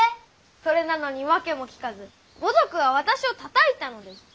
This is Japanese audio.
それなのに訳も聞かず五徳は私をたたいたのです。